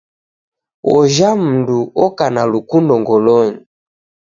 Ojha mdu oka na lukundo ngolonyi.